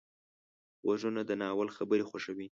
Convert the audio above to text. غوږونه د ناول خبرې خوښوي